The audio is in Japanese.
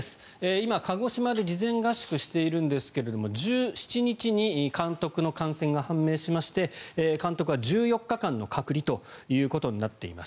今、鹿児島で事前合宿していますが１７日に監督の感染が判明しまして監督は１４日間の隔離となっています。